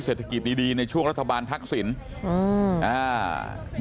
เศรษฐกีศดีในช่วงรัฐบาลทักษิณ